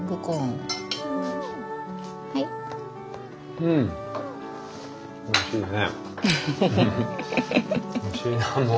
うんおいしいね。